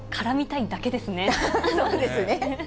そうですね。